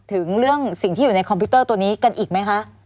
ถึงเรื่องสิ่งที่อยู่ในคอมพิวเตอร์ตัวนี้กันอีกไหมคะ